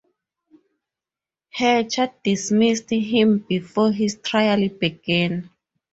Hatcher dismissed him before his trial began.